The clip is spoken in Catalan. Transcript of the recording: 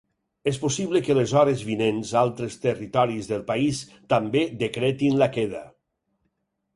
És possible que les hores vinents altres territoris del país també decretin la queda.